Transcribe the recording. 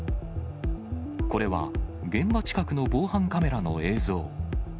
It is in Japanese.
これは現場近くの防犯カメラの映像。